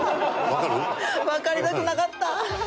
わかりたくなかった。